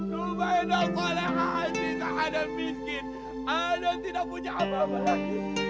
tuhan tidak ada miskin saya tidak punya apa apa lagi